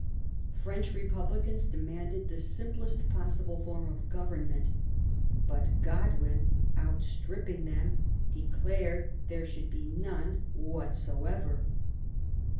French Republicans demanded the simplest possible form of Government. But Godwin, outstripping them, declared there should be none whatsoever.